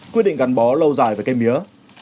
quyết định gắn bó lâu dài về cây mía